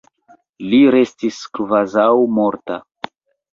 Li restis kvazaŭ morta.